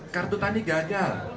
kartu tani gagal